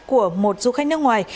của một du khách nước ngoài